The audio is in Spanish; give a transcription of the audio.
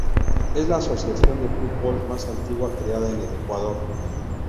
Es la asociación de fútbol más antigua creada en el Ecuador.